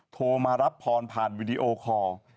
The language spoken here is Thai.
โทรมารับพรผ่านวิดีโอคอร์